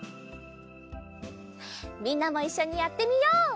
みんなもいっしょにやってみよう！